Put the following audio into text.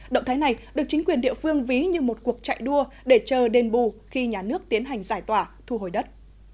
động thái này được chính quyền địa phương ví như một cuộc chạy đua để chờ đền bù khi nhà nước tiến hành giải tỏa thu hồi đất